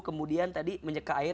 kemudian tadi menyeka air